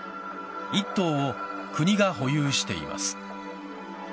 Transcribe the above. １棟を国が保有しています。